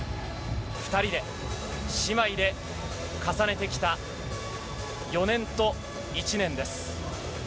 ２人で、姉妹で重ねてきた４年と１年です。